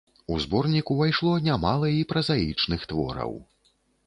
У зборнік увайшло нямала і празаічных твораў.